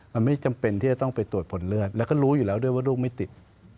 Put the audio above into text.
มันไม่จำเป็นที่จะต้องไปตรวจผลเลือดแล้วก็รู้อยู่แล้วด้วยว่าลูกไม่ติด